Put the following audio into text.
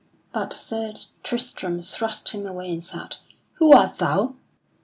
But Sir Tristram thrust him away and said, "Who art thou?"